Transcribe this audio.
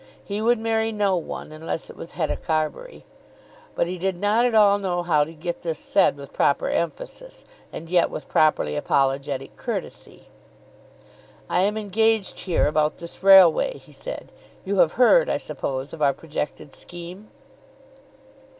He would marry no one unless it was Hetta Carbury. But he did not at all know how to get this said with proper emphasis, and yet with properly apologetic courtesy. "I am engaged here about this railway," he said. "You have heard, I suppose, of our projected scheme?"